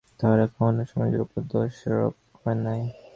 তাঁহারা কখনও সমাজের উপর দোষারোপ করেন নাই।